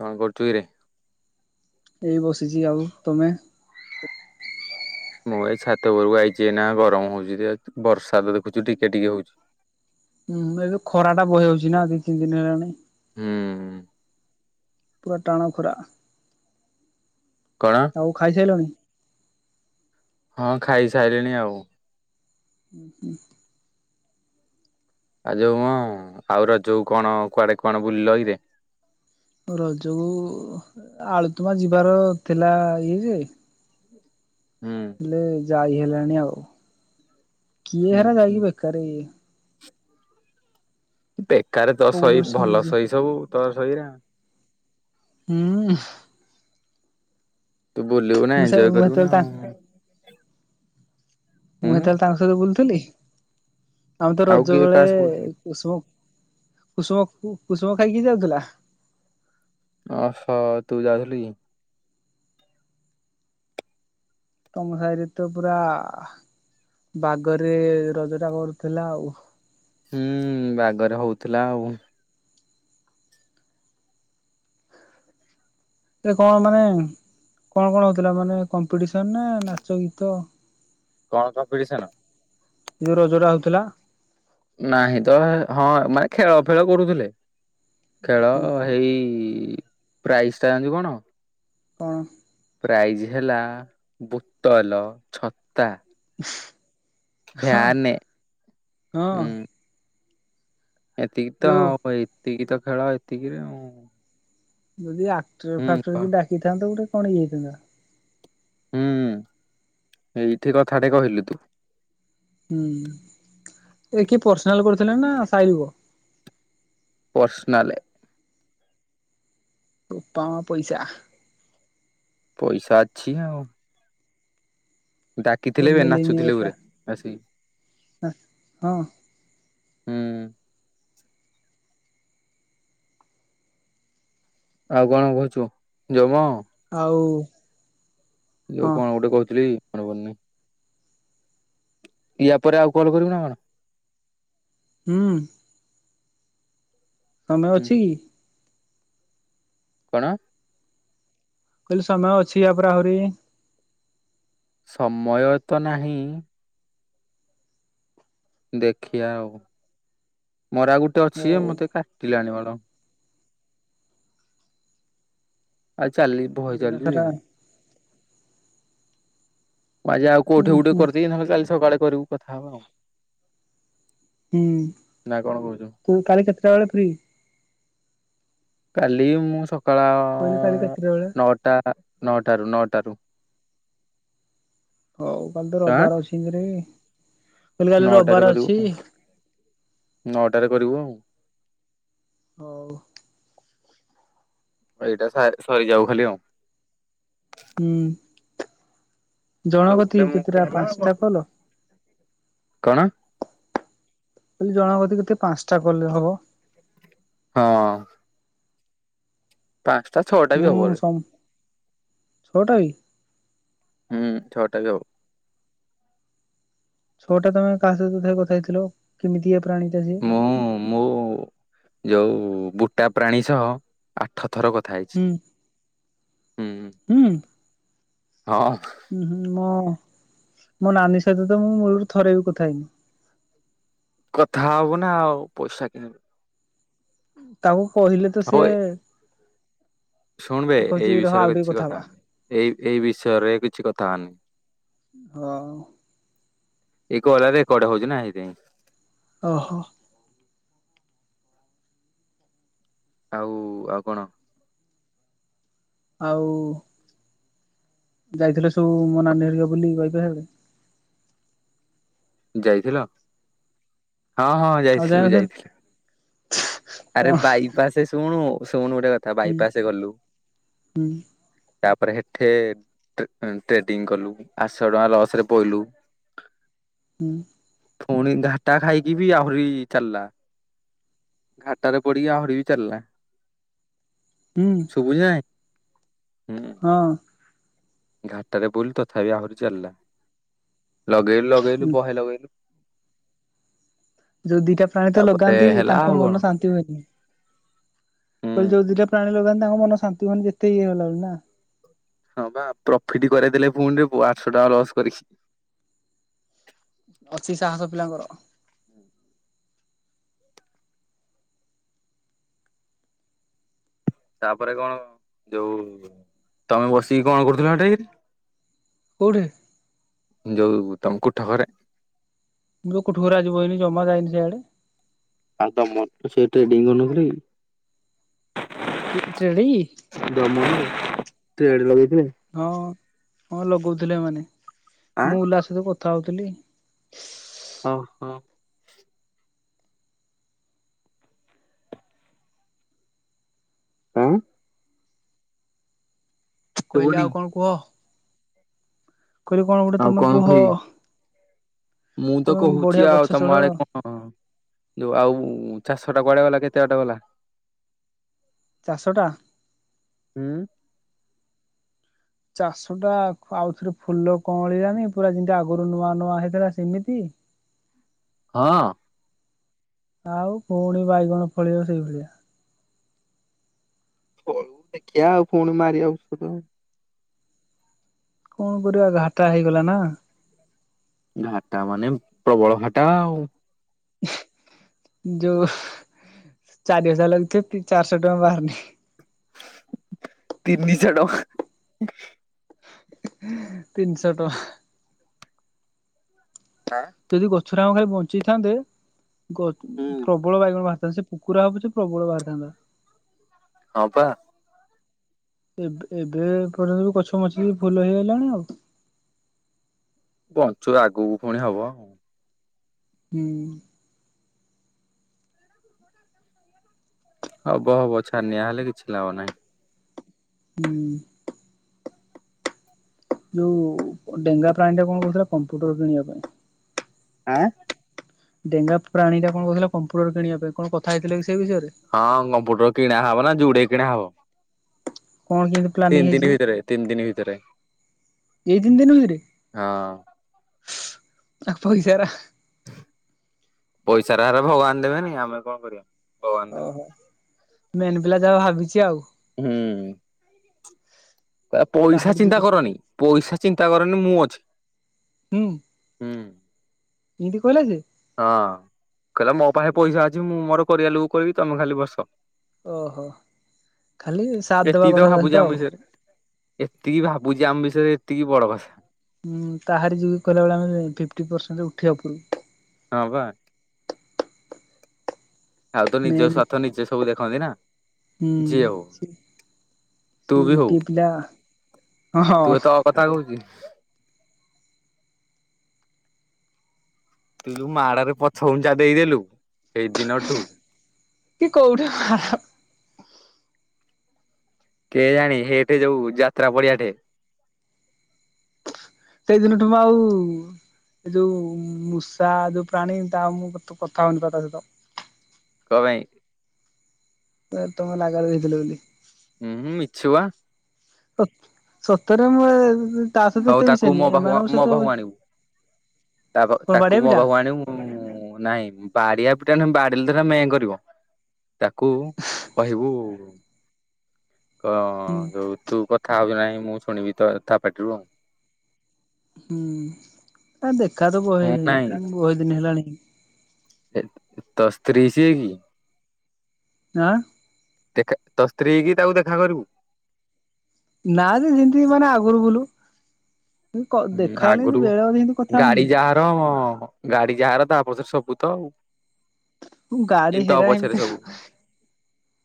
କଣ କରୁଛୁ କିରେ? ଏଇ ବସିଛି। ଆଉ ତମେ? ମୁଁ ଏଇ ଛାତ ଉପରକୁ ଆଇଛି ଏଇନା ଗରମ ହଉଛି ଯେ ବର୍ଷା ତ ଦେଖୁଛୁ ଟିକେ ଟିକେ ହଉଛି। ହୁଁ ଏବେ ଖରା ଟା ବହେ ହଉଚି ନା ଦି ତିନି ଦିନ ହେଲାଣି। ହୁଁ। ପୁରା ଟାଣ ଖରା। କଣ? ଆଉ ଖାଇସାଇଲଣି? ହଁ ଖାଇସାଇଲିଣି ଆଉ। ଉଁ ହୁଁ। ଆଉ ଯୋଉ କଣ ଆଉ ରଜକୁ କଣ କୁଆଡେ କଣ ବୁଲିଲ କିରେ? ରଜକୁ ଏ ଆଳୁତୁମା ଯିବାର ଥିଲା ଇଏ ଯେ। ହୁଁ ହେଲେ ଯାଇ ହେଲାନି ଆଉ କିଏ ହୁଁ ହେରା ହୁଁ ଯାଇକି ବେକାର ଇଏ। ବେକାରେ ତୋ ସବୁଠୁ ଶଇ ସେ ଭଲ ନିଜେ ଶଇ ସବୁ ତୋ ଶଇରେ। ହୁଁ। ତୁ ବୁଲିବୁ ନା ମୁଁ ସେ ଏଞ୍ଜୋୟ ମୁଁ କରିବୁ ନା ହେତେବେଳେ ତା ଆଉ ମୁଁ ହୁଁ। ହେତେବେଳେ ତାଙ୍କ ସହିତ ବୁଲୁଥିଲି ଆମେ ତ ଆଉ ରଜ କିଏ ବେଳେ। କାହା ସ୍କୁଲ କୁସୁମ କୁସୁମ କୁ କୁସୁମ ଖାଇକି ଯାଉଥିଲା। ଅହ ତୁ ଯାଉଥିଲୁ କି? ତମ ସାହିରେ ତ ପୁରା ବାଗରେ ରଜ ଟା କରୁଥିଲା ଆଉ। ହୁଁ ବାଗରେ ହଉଥିଲା ଆଉ। ଏ କଣ ମାନେ। କଣ କଣ ହଉଥିଲା ମାନେ କମ୍ପିଡିସନ ନା ନାଚ ଗୀତ? କଣ କମ୍ପିଡିସନ? ଯୋଉ ରଜରେ ଆଉଥିଲା। ନାହିଁ ତ ହଁ ମାନେ ଖେଳ ଫେଳ କରୁଥିଲେ ଖେଳ ହୁଁ ଏ ହେଇ ପ୍ରାଇସ୍ ଟା ଜାଣିଚୁ କଣ? କଣ? ପ୍ରାଇଜ ହେଲା ବୋତଲ, ଛତା। ହଁ ଫ୍ୟାନେ ହଁ ଉଁ। ଏତିକି ତ ଯୋଉ ଆଉ ଏତିକି ତ ଖେଳ ଏତିକିରେ ଆଉ। ଯଦି ଆକ୍ଟର ହୁଁ ଫାକ୍ଟର କହ କୁ ଡାକିଥାନ୍ତ ଗୋଟେ କଣ ଇଏ ହେଇଥାନ୍ତା। ହୁଁ ଏଇଠି କଥାଟେ କହିଲୁ ତୁ। ହୁଁ ଏ କିଏ ପର୍ସନାଲ କରିଥିଲା ନା ସାଇ ଲୁକ? ପର୍ସନାଲେ। ବୋପା, ମା ପଇସା। ପଇସା ଅଛି ନା ଆଉ। ସବୁ ଡାକିଥିଲେ ବି ନାଚୁଥିଲେ ମିଲିନିୟର ଗୁରେ ଆସିକି। ହଁ ହୁଁ। ଆଉ କଣ କହୁଛୁ? ଯୋଉ ମ। ଆଉ। ଯଉ ହଁ କଣ ଗୋଟେ କହୁଥିଲି ମନେ ପଡୁନି। ୟା ପରେ ଆଉ କଲ୍ କରିବୁ ନା କଣ? ହୁଁ। ସମୟ ହୁଁ ଅଛି କି? କଣ? କହିଲି ସମୟ ଅଛି ଏହାପରେ ଆହୁରି ସମୟ ତ ନାହିଁ। ଦେଖିଆ ଆଉ ମର ଆଉ ଗୋଟେ ଅଛି ଯେ ହଉ ମତେ କାଟିଲାଣି ବାଳ। ଆଉ ଚାଲି ବହେ ଦିନ ଚାଲିବି। ସାରା ମୁଁ ଆଜି ଆଉ ହୁଁ କଉଠି ଗୋଟେ ହୁଁ କରିଦେବି ନହେଲେ କାଲି ସକାଳେ କରିବୁ କଥା ହବା ଆଉ। ହୁଁ, ନା କଣ କହୁଛୁ? ତୁ କାଲି କେତେଟା ବେଳେ ଫ୍ରି? କାଲି ମୁଁ ସକାଳ କହିଲି କାଲି କେତେଟା ବେଳେ ନଅଟା ନଅଟାରୁ ନଅଟାରୁ। ହଉ କାଲି ତ ଆଁ ରବିବାରେ ଅଛି ଏରେ ହଉ କାଲି ନଅଟାରେ ରବିବାରେ କରିବୁ ଅଛି। ନଅଟାରେ କରିବୁ ଆଉ। ହଉ। ଏଇଟା ସାରେ ସରିଯାଉ ଖାଲି ଆଉ। ହୁଁ। ତୁ ଜଣାଙ୍କ ଗୋଟେ କତିକି ମୁଁ ଗୋଟେ କେତେଟା ହେଲା ଆଉ କଣ? ପାଞ୍ଚଟା କଲ? କଣ? କହିଲି ଜଣଙ୍କ କତିକି କେତେ ପାଞ୍ଚଟା କଲେ ହବ? ହଁ। ପାଞ୍ଚଟା ଛ। ମୁଁ ସମ ଛଅଟା ଇ ହୁଁ ଛଅଟା ବି ହବ। ଛଅଟା ତମେ କାହା ସହିତ କଥା ହେଇଥିଲ କେମିତିକା ପ୍ରାଣି ଟା ସିଏ? ମୁଁ ମୁଁ ଯୋଉ ବୁଟା ପ୍ରାଣୀ ସହ ଆଠ ଥର କଥା ହେଇଛି ହୁଁ ହୁଁ। ହୁଁ। ହଁ। ହୁଁ ହୁଁ ମୁଁ ମୋ ନାନୀ ସହିତ ତ ମୁଁ ମୂଳରୁ ଥରେ ବି କଥା ହେଇନି? କଥା ହବୁ ନା ଆଉ ପଇସା କେମିତି ପାଇବୁ। ଉଁ ତାକୁ କହିଲେ ତ ସିଏ? ଶୁଣିବେ ଏଇ କହୁଛି ରହ ବିଷୟରେ ଆଉ ଟିକେ କିଛି କଥା ହବା କଥାହଅନି ଏଇ ଏଇ ବିଷୟରେ କିଛି କଥା ହନି। ହଁ। ଏଇ କଲ୍ ରା ରେକର୍ଡ ହଉଛି ନା ସେଥିପାଇଁ? ଓହୋ। ଆଉ ଆଉ କଣ? ଆଉ। ଯାଇଥିଲେ ସବୁ ମୋ ନାନୀ ହରିକା ବୁଲି [unintelligible] ଯାଇଥିଲ? ହଁ ହଁ ଆଉ ଯାଇ ଯାଇଥିଲୁ ନଥିଲ? ଯାଇଥିଲୁ। ଆରେ କଣ ବାଇପାସେ ଶୁଣୁ ଶୁଣୁ ଗୋଟେ କଥା ହୁଁ ବାଇପାସେ ଗଲୁ ହୁଁ ତାପରେ ହେଠେ ଟେ ଟ୍ରେଡିଙ୍ଗ କଲୁ ଆଠଶ ଟଙ୍କା ଲସରେ ପଇଲୁ। [inaudible] ହୁଁ। ଫୁଣି ଘାଟା ଖାଇକି ବି ଆହୁରି ଚାଲା। ଘାଟାରେ ପଡିକି ଆହୁରି ବି ଚାଲା। ହୁଁ। ଶୁଭୁଛି ନା ନାଇଁ ହୁଁ। ହଁ। ଘାଟରେ ପଇଲୁ ତଥାପି ଆହୁରି ଚାଲା ଲଗେଇଲୁ ଲଗେଇଲୁ ବହେ ଲଗେଇଲୁ ଯୋଉ ଦିଟା ପ୍ରାଣୀ ତ ତାପରେ ଲଗାନ୍ତି ହେଲା ଆଉ ତାଙ୍କ କଣ ମନ ଶାନ୍ତି ହୁଏନି। ହୁଁ କଇଲି ଯଉ ଦିଟା ପ୍ରାଣୀ ଲଗାନ୍ତି ତାଙ୍କ ମନ ଶାନ୍ତି ହୁଏନି ଯେତେ ଇଏ ହେଲା ବୋଲି ନା? ହଁ ପା ପ୍ରଫିଟ କରାଇଦେଲେ ପୁଣି ରେ ପୁଅ ଆଠଶ ଟଙ୍କା ଲସ୍ କରିକି। ଅଛି ସାହସ ପିଲାଙ୍କର। ତାପରେ କଣ ଯୋଉ ତମେ ବସିକି କଣ କରୁଥିଲ ହେଠେଇ। କୋଉଠି? ଯୋଉ ତମ କୋଠ ଘରେ ମୁଁ ତ କୋଠ ଘରେ ଆଜି ବଇନି ଜମା ଯାଇନି ସିଆଡେ। ଆଉ ତମ ସେ ଟେଡିଙ୍ଗ ନୁ [unintelligible] କି କି ଦମନ ଟ୍ରେଡିଙ୍ଗ। ଟ୍ରେଡ ଲଗେଇଥିଲେ? ହଁ ହଁ ଲଗଉଥିଲେ ଏମାନେ ଆଁ ମୁଁ ଓଲା ସହିତ କଥା ହଉଥିଲି। ଓହୋ। ଉଁ। କଇଲେ ଶୁଭୁନି? ଆଉ କଣ କୁହ? କହିଲ କଣ ଗୋଟେ ଆଉ ତମେ କୁହ କହିବି ତମେ ବଢିଆ ଗଛ ଚଢ। ହଁ ଯୋଉ ଆଉ ଚାଷ ଟା କୁଆଡେ ଗଲା କେତେ ବାଟ ଗଲା? ଚାଷଟା। ହୁଁ। ଚାଷଟା ଆଉଥରେ ଫୁଲ କଁଳିଲାନି ପୁରା ଯେମିତି ଆଗରୁ ନୂଆ ନୂଆ ହେଇଥିଲା ସେମିତି। ହଁ। ଆଉ ପୁଣି ବାଇଗଣ ଫଳିବ ସେଇ ଭଳିଆ। ଓ ଦେଖିବା ଆଉ ପୁଣି ମାରିବା ଔଷଧ। କଣ କରିବା ଘାଟା ହେଇଗଲା ନା। ଘାଟା ମାନେ ପ୍ରବଳ ଘାଟା ଆଉ। ଯୋଉ ଚାରି ହଜାର ଲାଗେ଼ଇ ଥିବେ ଚାରିଶହ ଟଙ୍କା ବାହାରୁନି। ତିନିଶ ଟଙ୍କା। ହି ହେ ତିନିଶ ଟଙ୍କା। ଆଁ। ଯଦି ଗଛର ଆମେ ଖାଲି ବଞ୍ଚେଇଥାନ୍ତେ ଗ ହୁଁ। ପ୍ରବଳ ବାଇଗଣ ବାହାରିଥାନ୍ତେ ସେ କୁକୁରା ହଉ ପଛେ ପ୍ରବଳ ବାହାରିଥାନ୍ତା। ହଁ ପା। ଏ ଏବେ ପର୍ଯ୍ୟନ୍ତ ଗଛ ବଞ୍ଚିକି ଫୁଲ ହେଇଗଲାଣି ଆଉ। ବଞ୍ଚୁ ଆଗକୁ ପୁଣି ହବ। ହୁଁ। [inaudible] ହବ ହବ ଛାନିିଆ ହେଲେ କିଛି ଲାଭ ନାଇ। ହୁଁ। ଯୋଉ ଡେଙ୍ଗା ପ୍ରାଣୀ ଟା କଣ କହୁଥିଲା କମ୍ପ୍ୟୁଟର କିଣିବା ପାଇଁ। ଆଁ। ଡେଙ୍ଗା ପ୍ରାଣୀ ଟା କଣ କହୁଥିଲା କମ୍ପୁଟର କିଣିବା ପାଇଁ କଣ କଥା ହେଇଥିଲ କି ସେ ବିଷୟରେ। ହଁ କମ୍ପ୍ୟୁଟର କିଣା ହବ ନା ଯୁଡେ କିଣା ହବ। କଣ କେମତି ପ୍ଲାନିଂ ତିନି ଦିନ ହେଇଛି ଭିତରେ ତିନି ଦିନ ଭିତରେ ଏଇ ତିନି ଦିନରେ। ହଁ ଆ ପଇସାର ପଇସାରା ହେରା ଭଗବାନ ଦେବେନି ଆମେ କଣ କରିବା। ଭଗବାନ ଦେବେ। ଓହୋ ମେନ୍ ପିଲା ଯାହା ଭାବିଛି ଆଉ। ହୁଁ। ପଇସା ତାହାରି ଯ ଚିନ୍ତା କରନି ପଇସା ଚିନ୍ତା କରନି ମୁଁ ଅଛି। ହୁଁ। ହୁଁ। ଏମିତି କହିଲା ଯେ ହଁ କହିଲା ମୋ ପାଖେ ପଇସା ଅଛି ମୁଁ ମୋର କରିଆ ଲୋକ କରିବି ତମେ ଖାଲି ବସ। ଓ ହୋ ଖାଲି ସାଥଦେବା ଏତିକି ତ କଥା ତା ଭାବୁଛି ସହିତ। ଆମ ବିଷୟରେ। ଏତିକି ଭାବୁଛି ଆମ ବିଷୟରେ ଏତିକି ବଡ କଥା। ଉଁ, ତାହାରି ଯୋଗୁ କହଲା ଭଳିଆ ଆମେ ଫିଫ୍ଟି ପରସେଣ୍ଟ ଉଠିବା ଉପରକୁ। ହଁ, ବା। ଆଉ ତ ନିଜ ମେନ୍ ସ୍ୱାର୍ଥ ନିଜେ ସବୁ ଦେଖନ୍ତି ନା ହୁଁ ଯିଏ ହଉ। ସେ ତୁ ସେ ବି ହଉ ଗୋଟିଏ ପିଲା ହଁ, ହଁ। ତୁ ଏ ତ କଥା କହୁଛି। ତୁୁ ଯୋଉ ମାଡରେ ପଛଘୁଞ୍ଚା ଦେଇଦେଲୁ ସେଇ ଦିନ ଠୁ କି କୋଉଠା ହା, ହା। କେଜାଣି ହେଠି ଯୋଉ ଯାତ୍ରା ପଡିଆ ଠେ। ସେଇଦିନଠୁ ମୁଁ ଆଉ। ଏ ଯୋଉ ମୂଷା ଯୋଉ ପ୍ରାଣୀ ତା ମୁଁ କଥା ହଉନି ତା ତା ସହିତ କଣ ପାଇ। ତମ ନାଗରେ ଦେଇଥିଲେ ବୋଲି। ହୁଁ ଉ ମିଛୁଆ। ଓଃ, ସତରେ ମୁଁ ଏ ହଉ ତାକୁ ମୋ ପାଖକୁ, ମୋ ପାଖକୁ, ଆଣିବୁ କଣ ବାଡିଆ ତାକୁ ମୋ ପିଟା? ପାଖକୁ ଆଣିବୁ। ହୁଁ, ନାଇଁ ବାଡିଆ ପିଟା ନୁହେଁ ବାଡେଇଲେ ତ ହେଇଟା ମେଁ କରିବ। ତାକୁ କହିବୁ ଅ ଅ ହୁଁ ଯୋଉ ତୁ କଥା ହଉଛିୁ ନାହିଁ ମୁଁ ଶୁଣିବି ତ ତା ପାର୍ଟିରୁ ଆଉ ହୁଁ, ଦେଖା ତ ହଁ ବୋହେ ନାଇଁ ବୋହେ ଦିନ ହେଲାଣି। ଏ ତୋ ସ୍ତ୍ରୀ ସିଏ କି? ଆଁ? ଦେଖା ତୋ ସ୍ତ୍ରୀ କି ତାକୁ ଦେଖା କରିବୁ? ନା ଯେ ଯିମିତି ମାନେ ଆଗରୁ ବୁଲୁ ତୁ କ ଦେଖା ହେଲେ ବେଳେ ବେଳେ ସେମତି କଥା ହଉନି। ହଁ, ହଁ ହଁ ଗାଡି ଯାହାର ତା ପଛରେ ସବୁ ତ ମୁଁ ଗାଡି କିନ୍ତି ତ ହେରା ଏମିତି ପଛରେ ସବୁ।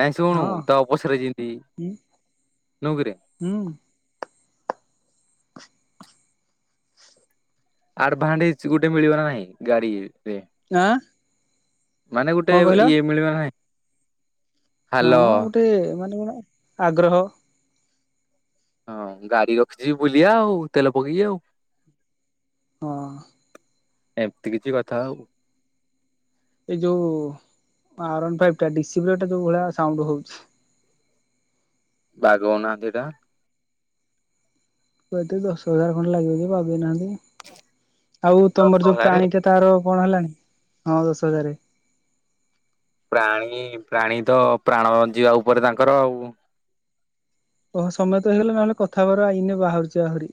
ନାଇଁ ଶୁଣୁ ହଁ ତୋ ପଛରେ ଯେମିତି ହୁଁ ନୁହେଁ କିରେ। ହୁଁ। ଆଡଭାଣ୍ଟଚ୍ ଗୋଟେ ମିଳିବ ନା ନାହିଁ ଗାଡି ରେ। ଆଁ? ମାନେ ଗୋଟେ କଣ କହିଲ? ଇଏ ମିଳିବ ନା ନାଇ। ହଁମ ଗୁଟେ ମାନେ ଗୋଟେ ଆଗ୍ରହ। ହଁ, ଗାଡି ରଖିଛି ବୁଲିବା ଆଉ ତେଲ ପକେଇକି ଆଉ। ହଁ। ଏମିତି କିଛି କଥା ଆଉ। ଏଇ ଯୋଉ ଆର୍ ୱାନ ଫାଇପି ଟା ଡି ସି ଫିୟର ଟା ଯୋଉ ଭଳିଆ ଶାଉଁଣ୍ଡୁ ହଉଛି। ବାଗ ଉନା ହନ୍ତି ହେଇଟା। କୁ ଏତେ ଦଶ ହଜାର ଖଣ୍ଡ ଲାଗିବ ବାଗେଇ ନାହାନ୍ତି ଆଉ ତମର ଯୋଉ ଦଶହରାରେ ପ୍ରାଣୀଟା ତାର କଣ ହେଲାଣି ହଁ ଦଶ ହଜାରେ। ପ୍ରାଣୀ ପ୍ରାଣୀ ତ ପ୍ରାଣ ଯିବା ଉପରେ ତାଙ୍କର ଆଉ। ଓହୋ ସମୟ ତ ହେଇଗଲା ନହେଲେ କଥା ହବାର ଏଇନେ ବାହାରୁଛି ଆହୁରି।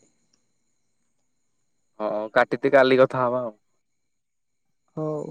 ହଁ କାଟିିଦେ କାଲି କଥା ହବା ଆଉ। ହଉ।